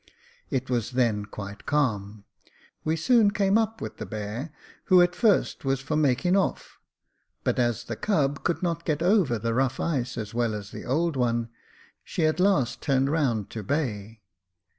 It was then quite calm : we soon came up with the bear, who at first was for making ofFj but as the cub could not get on over the Jacob Faithful 133 rough ice as well as the old one, she at last turned round to bay.